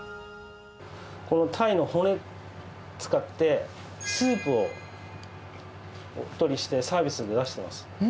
このタイの骨使って、スープをおとりして、サービスで出してます。